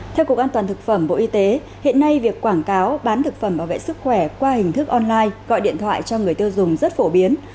theo cục an toàn thực phẩm bộ y tế hiện nay việc quảng cáo bán thực phẩm bảo vệ sức khỏe qua hình thức online gọi điện thoại cho người tiêu dùng rất phổ biến